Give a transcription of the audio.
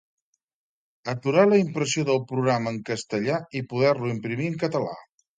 Aturar la impressió del programa en castellà i poder-lo imprimir en català